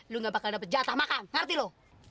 lu nggak bakal dapat jatah makan ngerti lu